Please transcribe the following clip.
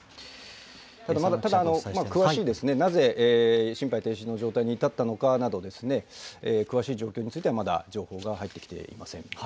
ただ、詳しい、なぜ、心肺停止の状態に至ったのかなど、詳しい状況については、まだ情報が入ってきていません。